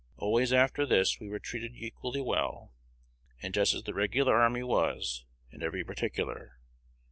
Always after this we were treated equally well, and just as the regular army was, in every particular.